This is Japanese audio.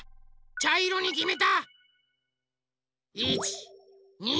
ちゃいろにきめた。